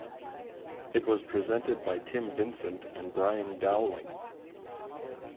It was presented by Tim Vincent and Brian Dowling.